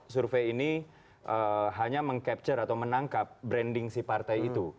survei ini hanya meng capture atau menangkap branding si partai itu